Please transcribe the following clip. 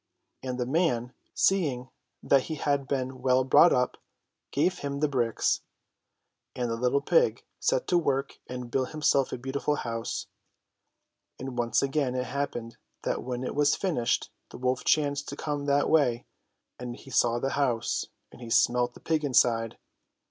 And the man, seeing that he had been well brought up, gave him the bricks, and the little pig set to work and built himself a beautiful house. And once again it happened that when it was finished the wolf chanced to come that way ; and he saw the house, and he smelt the pig inside.